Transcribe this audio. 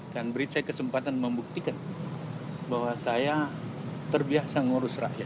dan beri saya kesempatan membuktikan bahwa saya terbiasa mengurus rakyat